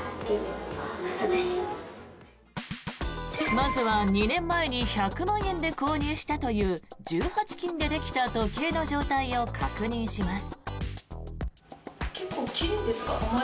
まずは２年前に１００万円で購入したという１８金でできた時計の状態を確認します。